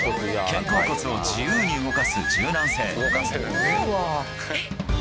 肩甲骨を自由に動かす柔軟性。